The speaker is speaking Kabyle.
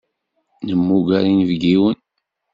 Nemmuger inebgiwen.